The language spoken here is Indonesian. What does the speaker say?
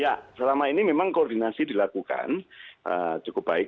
ya selama ini memang koordinasi dilakukan cukup baik